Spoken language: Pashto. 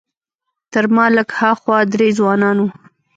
تر ما لږ ها خوا درې ځوانان وو.